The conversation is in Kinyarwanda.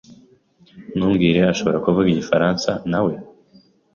Ntumbwire ashobora kuvuga igifaransa, nawe.